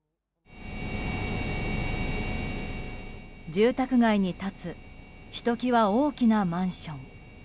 住宅街に立つひときわ大きなマンション。